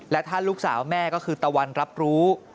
และถ้าลูกสาวแม่ก็คือตะวันรับรู้